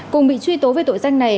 cùng bị truy tố về tội danh này